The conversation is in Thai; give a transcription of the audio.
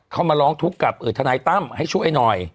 เขามาร้องทุกข์กับทนายตั้มให้ช่วยหน่อย